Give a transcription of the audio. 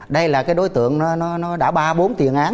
đây là cái đối tượng nó đã ba bốn tiền án